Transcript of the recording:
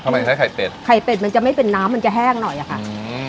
ไม่ใช่ไข่เป็ดไข่เป็ดมันจะไม่เป็นน้ำมันจะแห้งหน่อยอะค่ะอืม